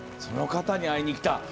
その方に会いに来た。